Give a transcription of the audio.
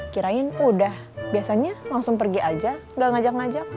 kirain udah biasanya langsung pergi aja gak ngajak ngajak